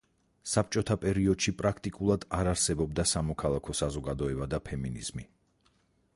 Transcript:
საბჭოთა პერიოდში პრაქტიკულად არ არსებობდა სამოქალაქო საზოგადოება და ფემინიზმი.